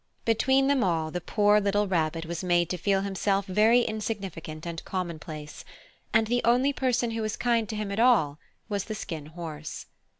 Between them all the poor little Rabbit was made to feel himself very insignificant and commonplace, and the only person who was kind to him at all was the Skin Horse.